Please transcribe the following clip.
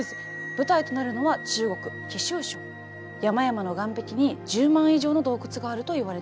舞台となるのは山々の岩壁に１０万以上の洞窟があるといわれています。